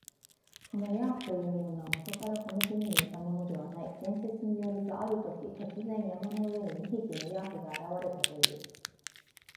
このヤーフというものは、もとからこの国にいたものではない。伝説によると、あるとき、突然、山の上に二匹のヤーフが現れたという。